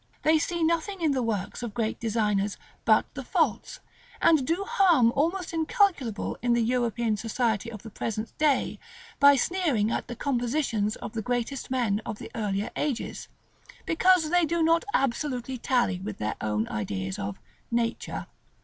They see nothing in the works of great designers but the faults, and do harm almost incalculable in the European society of the present day by sneering at the compositions of the greatest men of the earlier ages, because they do not absolutely tally with their own ideas of "Nature."